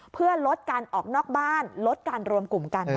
เพื่อลดการออกนอกบ้านลดการรวมกลุ่มกัน